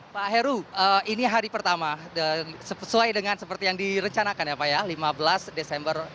pak heru ini hari pertama dan sesuai dengan seperti yang direncanakan ya pak ya lima belas desember